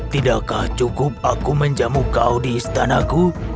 tidakkah cukup aku menjamu kau di istanaku